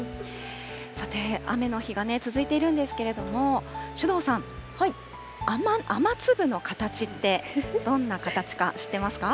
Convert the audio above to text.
さて、雨の日が続いているんですけれども、首藤さん、雨粒の形って、どんな形か知ってますか。